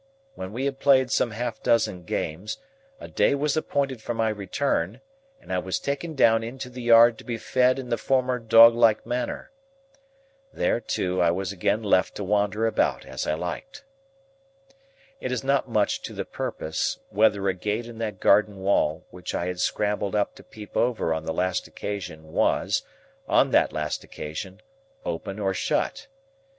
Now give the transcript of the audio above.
When we had played some half dozen games, a day was appointed for my return, and I was taken down into the yard to be fed in the former dog like manner. There, too, I was again left to wander about as I liked. It is not much to the purpose whether a gate in that garden wall which I had scrambled up to peep over on the last occasion was, on that last occasion, open or shut.